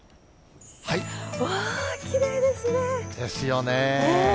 うわー、きれいですね。ですよねぇ。